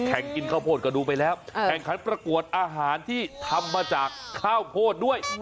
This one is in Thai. กินข้าวโพดก็ดูไปแล้วแข่งขันประกวดอาหารที่ทำมาจากข้าวโพดด้วย